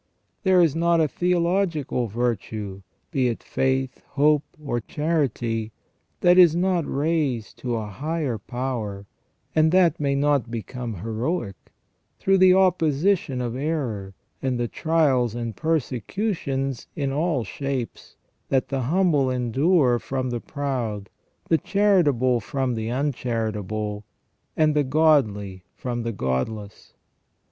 There is not a theological virtue, be it faith, hope, or charity, that is not raised to a higher power, and that may not become heroic, through the opposition of error, and the trials and persecutions in all shapes that the humble endure from the proud, the charitable from the uncharitable, and the godly from the godless.